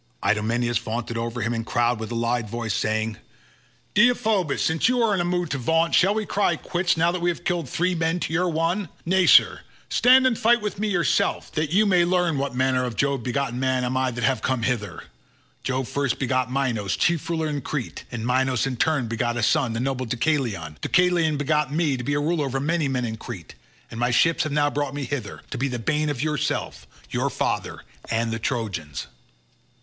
Idomeneus vaunted over him and cried with a loud voice saying, "Deiphobus, since you are in a mood to vaunt, shall we cry quits now that we have killed three men to your one? Nay, sir, stand in fight with me yourself, that you may learn what manner of Jove begotten man am I that have come hither. Jove first begot Minos, chief ruler in Crete, and Minos in his turn begot a son, noble Deucalion. Deucalion begot me to be a ruler over many men in Crete, and my ships have now brought me hither, to be the bane of yourself, your father, and the Trojans."